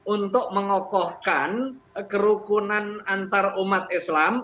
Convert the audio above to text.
untuk mengokohkan kerukunan antar umat islam